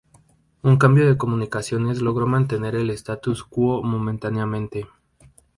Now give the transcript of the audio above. Un cambio de comunicaciones logró mantener el statu quo, momentáneamente.